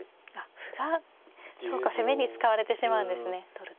歩がそうか攻めに使われてしまうんですね取ると。